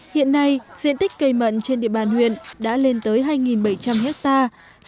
hiện nay diện tích cây mận trên địa bàn huyện đã lên tới hai bảy trăm linh hectare